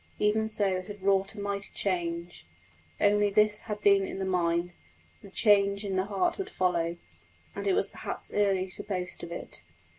Even so it had wrought a mighty change, only this had been in the mind; the change in the heart would follow, and it was perhaps early to boast of it.